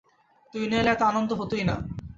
তুই না এলে, এত আনন্দ হতোই না।